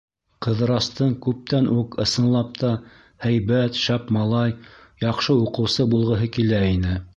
Ҡыҙырастың күптән үк, ысынлап та, һәйбәт, шәп малай, яҡшы уҡыусы булғыһы килә ине.